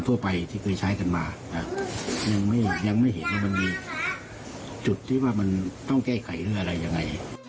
ว่ามันต้องแก้ไขหรืออะไรยังไง